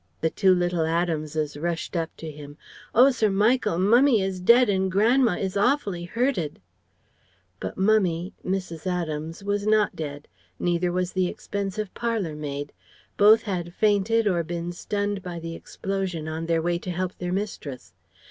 The two little Adamses rushed up to him: "Oh Sir Michael! Mummie is dead and Gran'ma is awfully hurted." But Mummie Mrs. Adams was not dead; neither was the expensive parlour maid. Both had fainted or been stunned by the explosion on their way to help their mistress.